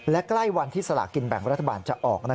และใกล้วันที่สลากินแบ่งรัฐบาลจะออก